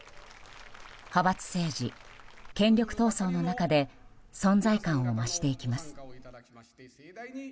派閥政治、権力闘争の中で存在感を増していきます。